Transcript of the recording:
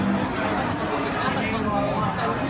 ถ้าเกิดเป็นเรื่องนี้ก็เราลองสนุกเมื่อไหร่